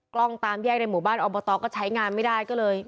กล้องตามแยกในหมู่บ้านอบตก็ใช้งานไม่ได้ก็เลย